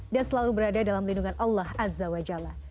dan selalu berada dalam lindungan allah azza wa jalla